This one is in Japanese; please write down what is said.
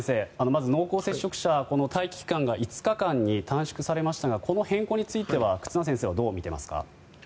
まず濃厚接触者の待機期間が５日間に短縮されましたがこの変更については忽那先生はどう見ていますか？